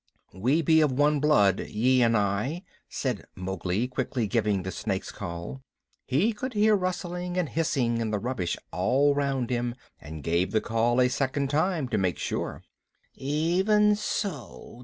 "We be of one blood, ye and I," said Mowgli, quickly giving the Snake's Call. He could hear rustling and hissing in the rubbish all round him and gave the Call a second time, to make sure. "Even ssso!